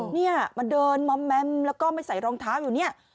เนี่ยมาเดินมอมแมมแล้วก็ไม่ใส่รองเท้าอยู่เนี่ย